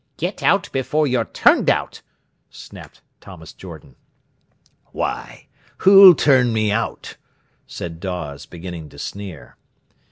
"Get out before you're turned out!" snapped Thomas Jordan. "Why, who'll turn me out?" said Dawes, beginning to sneer.